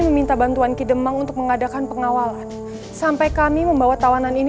meminta bantuan ki demang untuk mengadakan pengawalan sampai kami membawa tawanan ini